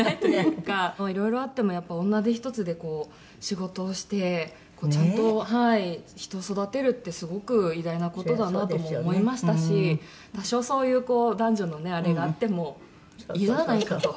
「色々あってもやっぱり女手一つで仕事をしてちゃんと人を育てるってすごく偉大な事だなとも思いましたし多少そういう男女のねあれがあってもいいではないかと。